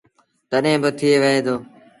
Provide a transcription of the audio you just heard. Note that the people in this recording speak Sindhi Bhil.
تڏهيݩ با ٿئي وهي دو۔